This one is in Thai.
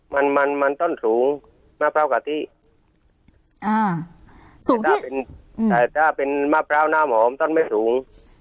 มันมันมันต้นสูงมะพร้าวกะทิอ่าสูงที่อืมแต่ถ้าเป็นมะพร้าวน้ำหอมต้นไม่สูง